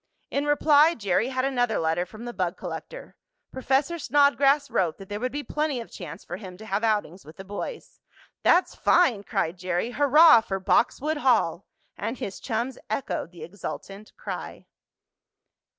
In reply Jerry had another letter from the bug collector. Professor Snodgrass wrote that there would be plenty of chance for him to have outings with the boys. "That's fine!" cried Jerry. "Hurrah for Boxwood Hall!" And his chums echoed the exultant cry.